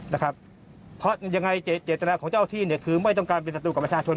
นะครับเพราะยังไงเจตนาของเจ้าที่เนี่ยคือไม่ต้องการเป็นศัตรูกับประชาชน